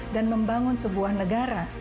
dan membangun sebuah negara